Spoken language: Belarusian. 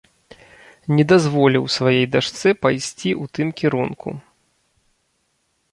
Не дазволіў сваёй дачцэ пайсці у тым кірунку.